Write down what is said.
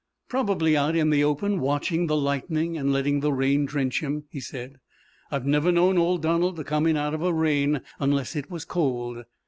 "Probably out in the open watching the lightning, and letting the rain drench him," he said. "I've never known old Donald to come in out of a rain, unless it was cold.